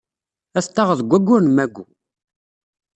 Ad t-taɣed deg wayyur n Yunyu.